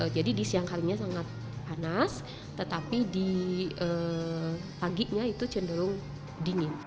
jadi di siang harinya sangat panas tetapi di paginya itu cenderung dingin